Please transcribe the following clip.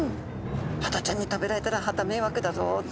ハタちゃんに食べられたらはた迷惑だぞと。